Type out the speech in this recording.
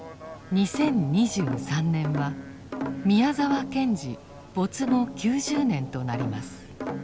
２０２３年は宮沢賢治没後９０年となります。